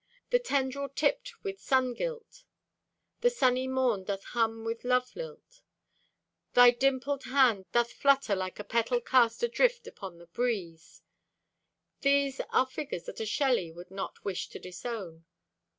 "The tendrill tipped with sungilt," "the sunny morn doth hum with lovelilt," "thy dimpled hand doth flutter like a petal cast adrift upon the breeze"—these are figures that a Shelley would not wish to disown.